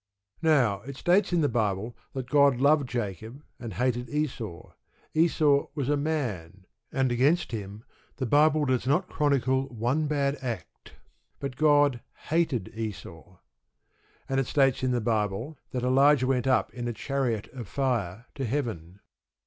Now, it states in the Bible that God loved Jacob, and hated Esau. Esau was a man, and against him the Bible does not chronicle one bad act. But God hated Esau. And it states in the Bible that Elijah went up in a chariot of fire to heaven.